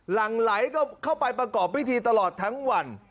หลังไหลก็เข้าไปประกอบพิธีตลอดทั้งวัน